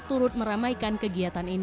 turut menikah di jalanan